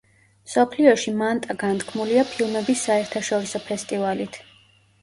მსოფლიოში მანტა განთქმულია ფილმების საერთაშორისო ფესტივალით.